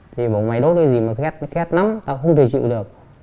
thì bảo mày đốt cái gì mà khét nó khét lắm tao không thể chịu được